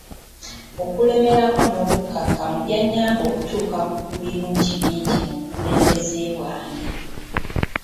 Okulemerako n'obukakkamu byannyamba okutuuka ku birungi bingi mu bukulembeze bwange.